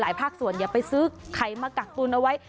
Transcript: อย่าไปซื้อไข่มากักปูนเอาไว้